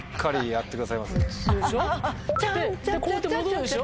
でこうやって戻るでしょ？